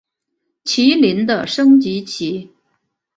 麒麟的升级棋。